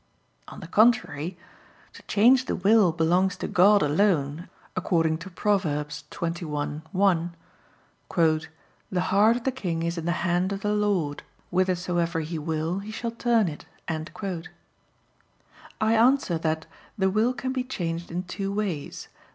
On the contrary, To change the will belongs to God alone, according to Prov. 21:1: "The heart of the king is in the hand of the Lord, whithersoever He will He shall turn it." I answer that, The will can be changed in two ways.